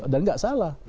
dan nggak salah